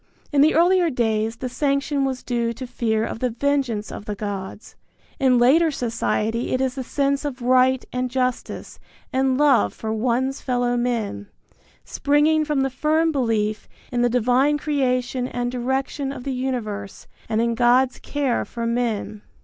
In the earlier days the sanction was due to fear of the vengeance of the gods. In later society it is the sense of right and justice and love for one's fellow men, springing from the firm belief in the divine creation and direction of the universe and in God's care for men.